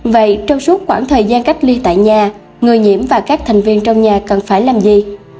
vậy trong suốt khoảng thời gian cách ly tại nhà người nhiễm và các thành viên trong nhà cần phải làm gì